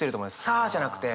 サアじゃなくて。